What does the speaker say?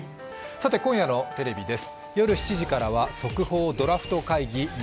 今夜のテレビです。